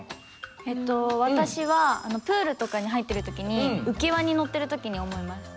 えっと私はプールとかに入ってるときに浮き輪に乗ってるときに思います。